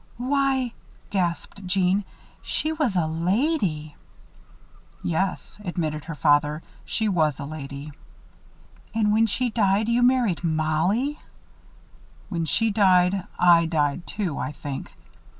"Why!" gasped Jeanne. "She was a lady!" "Yes," admitted her father. "She was a lady." "And when she died, you married Mollie!" "When she died, I died too, I think.